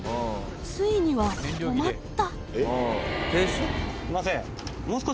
ついには止まった。